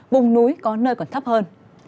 bùng núi có nơi còn thấp hơn